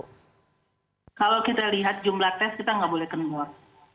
kalau kita lihat jumlah tes kita nggak boleh keluar